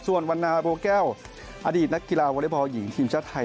ส่วนวันนาโบแก้วอดีตนักกีฬาวอเล็กบอลหญิงทีมชาติไทย